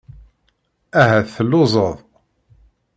Ahat telluẓeḍ.